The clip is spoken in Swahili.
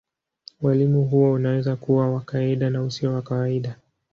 Ualimu huo unaweza kuwa wa kawaida na usio wa kawaida.